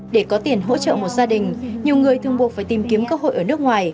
để có tiền hỗ trợ một gia đình nhiều người thường buộc phải tìm kiếm cơ hội ở nước ngoài